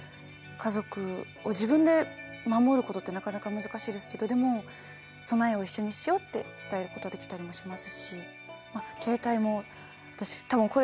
家族を自分で守ることってなかなか難しいですけどでも備えを一緒にしようって伝えることはできたりもしますし携帯も私多分。